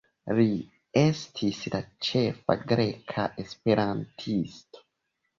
Li estis la ĉefa greka esperantisto.